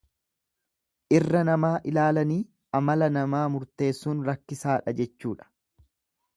Irra namaa ilaalanii amala namaa murteessuun rakkisaadha jechuudha.